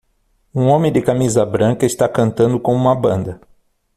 Um homem de camisa branca está cantando com uma banda.